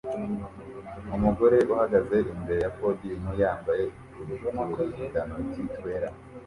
umugore uhagaze imbere ya podium yambaye uturindantoki twera